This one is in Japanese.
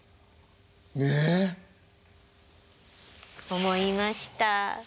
思いました。